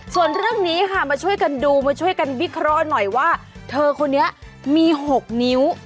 ส่วนเรื่องนี้ค่ะมาช่วยกันดูมาช่วยกันวิเคราะห์หน่อยว่าเธอคนนี้มี๖นิ้ว